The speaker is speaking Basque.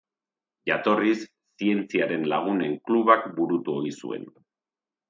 Jatorriz, Zientziaren Lagunen Klubak burutu ohi zuen.